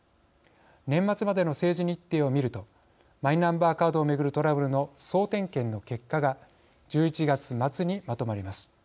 年末までの政治日程を見るとマイナンバーカードを巡るトラブルの総点検の結果が１１月末にまとまります。